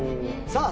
さあ